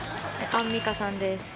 アンミカさんです